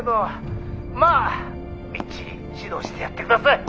まあみっちり指導してやってください。